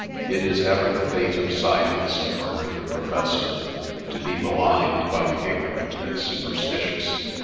' It is ever the fate of science,' murmured the professor, ' to be maligned by the ignorant and superstitious.